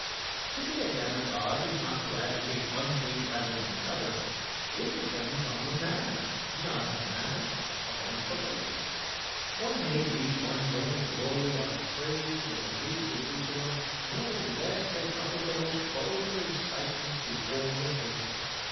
To be a demagogue is not to advocate one thing rather than another. It depends on the manner, not on the matter, of one's proposals. One may reap one's own glory out of praise of the New Jerusalem no less than out of the most vulgar incitements to war and hatred.